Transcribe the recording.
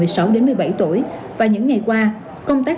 rồi sau đó là chúng ta sẽ có khoảng bảy ngày để tiêm mỗi hai